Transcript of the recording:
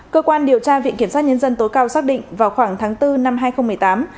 cơ quan điều tra viện kiểm sát nhân dân tối cao xác định vào khoảng tháng bốn năm hai nghìn một mươi tám